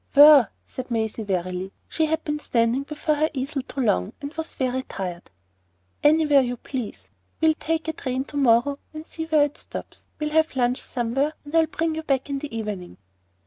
"Where?" said Maisie, wearily. She had been standing before her easel too long, and was very tired. "Anywhere you please. We'll take a train to morrow and see where it stops. We'll have lunch somewhere, and I'll bring you back in the evening."